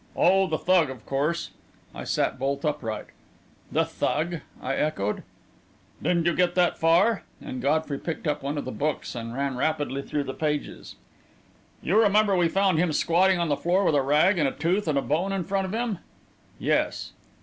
"Oh, the Thug, of course." I sat bolt upright. "The Thug?" I echoed. "Didn't you get that far?" and Godfrey picked up one of the books and ran rapidly through the pages. "You remember we found him squatting on the floor with a rag and a tooth and a bone in front of him?" "Yes."